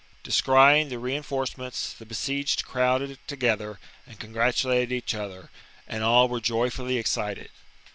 Descrying the reinforcements, the besieged crowded together and congratulated each other ; and all were joyfully excited.